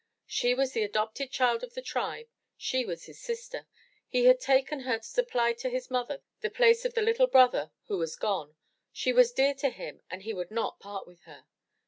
She was the adopted child of the tribe, she was his sister! He had taken her to supply to his mother the place of the little brother who was gone; she was dear to him and he would not part with her.